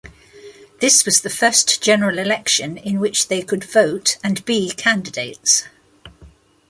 This was the first general election in which they could vote and be candidates.